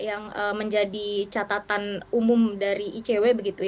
yang menjadi catatan umum dari icw